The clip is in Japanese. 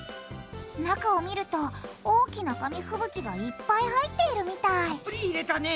中を見ると大きな紙ふぶきがいっぱい入っているみたいたっぷり入れたね。